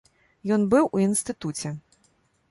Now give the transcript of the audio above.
Ён быў у інстытуце.